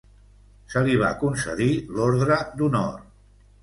Se li va concedir l'Ordre d'Honor.